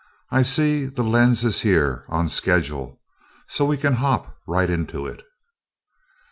I see the lens is here, on schedule, so we can hop right into it."